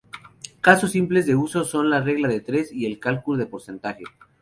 Casos simples de uso son la regla de tres y el cálculo de porcentaje.